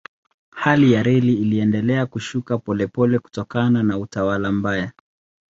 Hali ya reli iliendelea kushuka polepole kutokana na utawala mbaya.